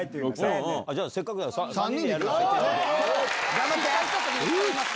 頑張って！